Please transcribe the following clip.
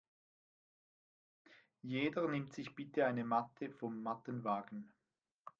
Jeder nimmt sich bitte eine Matte vom Mattenwagen.